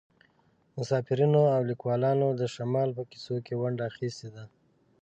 مسافرینو او لیکوالانو د شمال په کیسو کې ونډه اخیستې ده